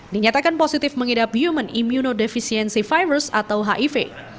dinyatakan positif mengidap human immunodefficiensi virus atau hiv